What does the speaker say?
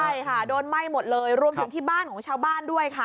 ใช่ค่ะโดนไหม้หมดเลยรวมถึงที่บ้านของชาวบ้านด้วยค่ะ